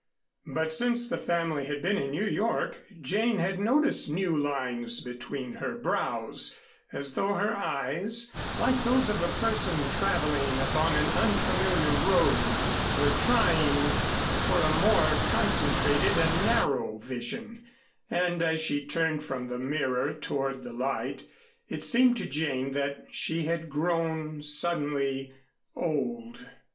But since the family had been in New York Jane had noticed new lines between her brows as though her eyes, like those of a person traveling upon an unfamiliar road, were trying for a more concentrated and narrow vision; and as she turned from the mirror toward the light, it seemed to Jane that she had grown suddenly old.